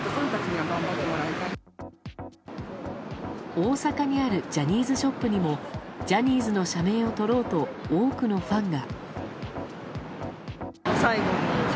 大阪にあるジャニーズショップにもジャニーズの社名を撮ろうと多くのファンが。